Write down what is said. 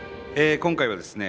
今回はですね